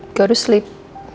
gak harus tidur